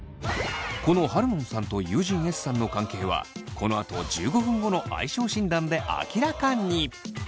このハルノンさんと友人Ｓさんの関係はこのあと１５分後の相性診断で明らかに。